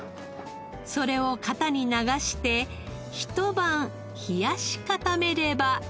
それを型に流してひと晩冷やし固めれば。